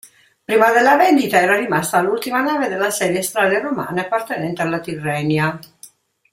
Prima della vendita, era rimasta l'ultima nave della serie Strade Romane appartenente alla Tirrenia.